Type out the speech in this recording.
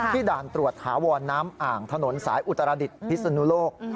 ด่านตรวจถาวรน้ำอ่างถนนสายอุตรดิษฐ์พิศนุโลก